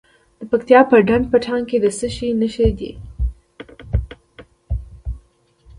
د پکتیا په ډنډ پټان کې د څه شي نښې دي؟